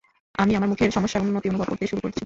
আমি আমার মুখের সমস্যার উন্নতি অনুভব করতে শুরু করছি।